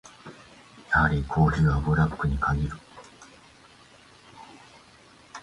やはりコーヒーはブラックに限る。